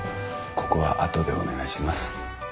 ここは後でお願いします。